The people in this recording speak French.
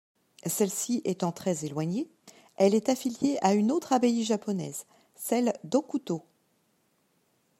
Celle-ci étant très éloignée, elle est affiliée à une autre abbaye japonaise, celle d'Hokuto.